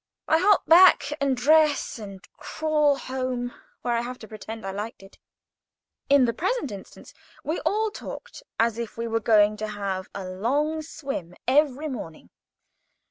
I hop back and dress, and crawl home, where I have to pretend I liked it. In the present instance, we all talked as if we were going to have a long swim every morning.